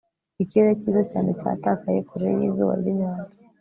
Ikirere cyiza cyane cyatakaye kure yizuba ryinyanja